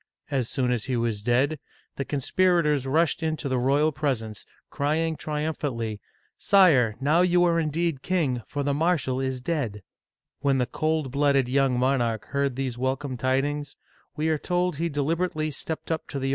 As soon as he was dead, the conspira tors rushed into the royal presence, crying triumphantly, " Sire, now you are indeed king, for the marshal is dead !" When the cold blooded young monarch heard these wel come tidings, we are told he deliberately stepped up to the Digitized by Google LOUIS XIII.